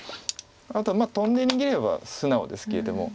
あとはトンで逃げれば素直ですけれども。